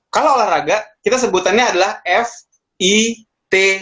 kalau olahraga kita sebutannya adalah fit